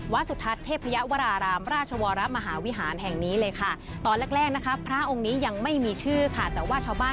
สุทัศน์เทพยวรารามราชวรมหาวิหารแห่งนี้เลยค่ะตอนแรกแรกนะคะพระองค์นี้ยังไม่มีชื่อค่ะแต่ว่าชาวบ้าน